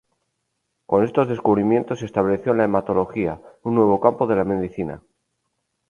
Con estos descubrimientos, se estableció la hematología, un nuevo campo de la medicina.